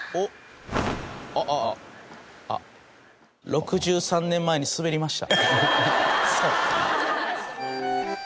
６３年前にスベりました。